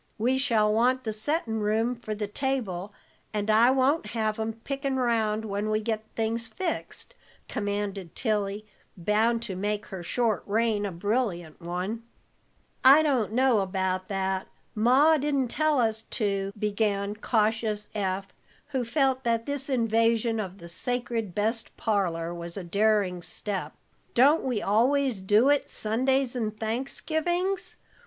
We shall want the settin' room for the table, and I won't have 'em pickin' 'round when we get things fixed," commanded Tilly, bound to make her short reign a brilliant one. "I don't know about that. Ma didn't tell us to," began cautious Eph, who felt that this invasion of the sacred best parlor was a daring step. "Don't we always do it Sundays and Thanksgivings?